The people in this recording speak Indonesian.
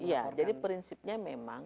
iya jadi prinsipnya memang